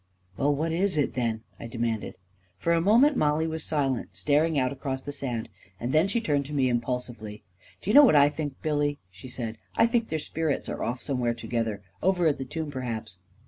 " Well, what is it, then? " I demanded. For a moment Mollie was silent, staring out across the sand, then she turned to me impulsively. " Do you know what I think, Billy," she said. *' I think their spirits are off somewhere together — over at the tomb, perhaps